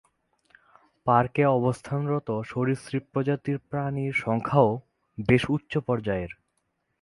পার্কে অবস্থানরত সরীসৃপ প্রজাতির প্রাণীর সংখ্যাও বেশ উচ্চ পর্যায়ের।